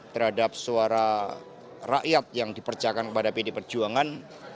terhadap suara rakyat yang diperjakan kepada pdi perjuangan